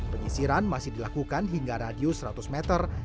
penyisiran masih dilakukan hingga radius lima puluh meter